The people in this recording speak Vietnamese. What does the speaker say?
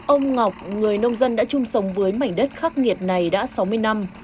ông ngọc người nông dân đã chung sống với mảnh đất khắc nghiệt này đã sáu mươi năm